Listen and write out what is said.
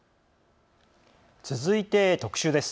続いて、特集です。